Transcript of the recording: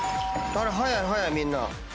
早い早いみんな。